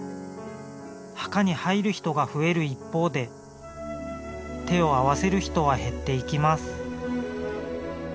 墓に入る人が増える一方で手を合わせる人は減っていきます。